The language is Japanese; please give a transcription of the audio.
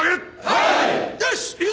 はい！